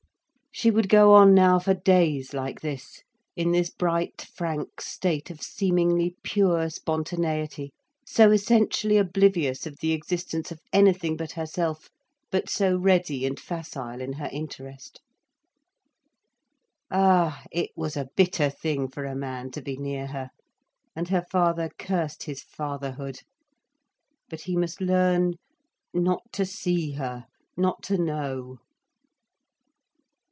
She would go on now for days like this, in this bright frank state of seemingly pure spontaneity, so essentially oblivious of the existence of anything but herself, but so ready and facile in her interest. Ah it was a bitter thing for a man to be near her, and her father cursed his fatherhood. But he must learn not to see her, not to know.